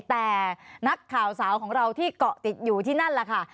แต่นักข่าวสาวของเราที่เกาะติดอยู่ที่นั่นแหละค่ะ